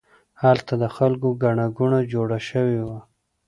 هلته د خلکو ګڼه ګوڼه جوړه شوې وه.